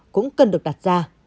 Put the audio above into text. cũng cần được đặt ra